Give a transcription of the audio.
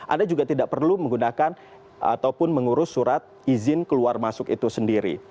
anda juga tidak perlu menggunakan ataupun mengurus surat izin keluar masuk itu sendiri